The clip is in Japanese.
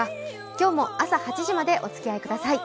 今日も朝８時までおつきあいください。